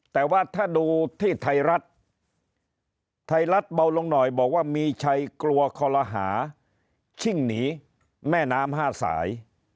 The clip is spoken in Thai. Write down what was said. แต่ว่าถ้าดูที่ไทยรัฐไทยรัฐเบาลงหน่อยบอกว่ามีชัยกลัวคอลหาชิ่งหนีแม่น้ำ๕สาย